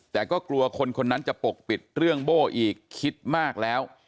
แต่ก็กลัวคนคนนั้นจะปกปิดเรื่องโบ้อีกคิดมากแล้ว